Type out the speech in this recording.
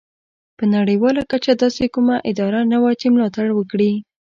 په نړیواله کچه داسې کومه اداره نه وه چې ملاتړ وکړي.